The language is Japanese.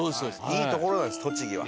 いい所なんです栃木は。